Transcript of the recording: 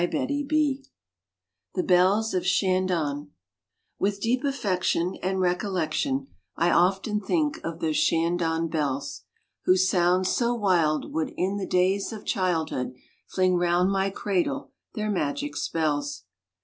Browning THE BELLS OF SHANDON With deep affection and recollection I often think of those Shandon bells, Whose sounds so wild would, in the days of childhood, Fling round my cradle their magic spells.